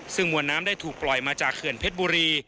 ซึ่งมวลน้ำได้ถูกปล่อยมาจากเขื่อนเพชรบุรี